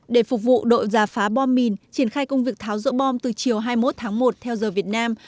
để phục vụ đội giả phá bom mìn triển khai công việc tháo dỗ bom từ chiều hai mươi một tháng một theo giờ việt nam